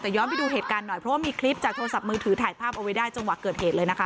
แต่ย้อนไปดูเหตุการณ์หน่อยเพราะว่ามีคลิปจากโทรศัพท์มือถือถ่ายภาพเอาไว้ได้จังหวะเกิดเหตุเลยนะคะ